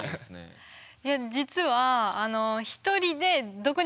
いや実はえ！